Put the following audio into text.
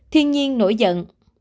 thiên nhiên nổi giận